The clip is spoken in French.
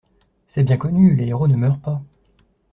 C’est bien connu, les héros ne meurent pas.